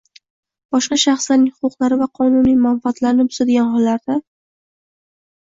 boshqa shaxslarning huquqlari va qonuniy manfaatlarini buzadigan hollarda